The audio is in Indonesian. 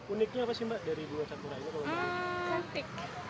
uniknya apa sih mbak dari bunga sakura ini